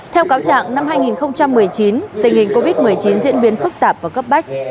theo cáo trạng năm hai nghìn một mươi chín tình hình covid một mươi chín diễn biến phức tạp và cấp bách